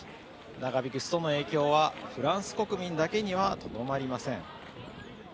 長引くストの影響はフランス国民だけにはとどまりません。